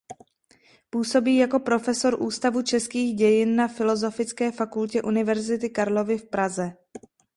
Působí jako profesor Ústavu českých dějin na Filozofické fakultě Univerzity Karlovy v Praze.